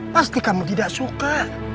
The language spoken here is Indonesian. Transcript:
pasti kamu tidak suka